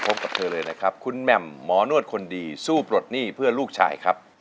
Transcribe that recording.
พบกับเธอเลยนะครับคุณแม่มหมอนวดคนดีสู้ปลดหนี้เพื่อลูกชายครับ